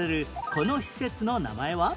この施設の名前は？